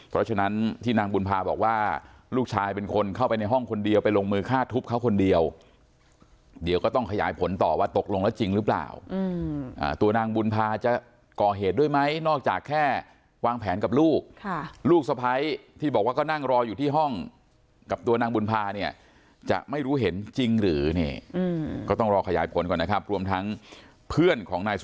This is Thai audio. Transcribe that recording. เพราะฉะนั้นที่นางบุญภาบอกว่าลูกชายเป็นคนเข้าไปในห้องคนเดียวไปลงมือคาดทุบเขาคนเดียวเดี๋ยวก็ต้องขยายผลต่อว่าตกลงแล้วจริงหรือเปล่าอืมอ่าตัวนางบุญภาจะก่อเหตุด้วยไหมนอกจากแค่วางแผนกับลูกค่ะลูกสภัยที่บอกว่าก็นั่งรออยู่ที่ห้องกับตัวนางบุญภาเนี่ยจะไม่รู้เห็นจริงหรือนี่อื